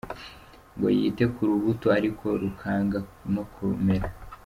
ngo yite ku rubuto ariko rukanga no kumera.